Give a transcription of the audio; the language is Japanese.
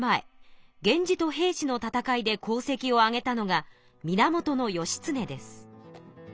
源氏と平氏の戦いで功績をあげたのが源義経です。